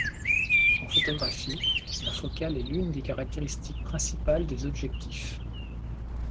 En photographie, la focale est l'une des caractéristiques principales des objectifs.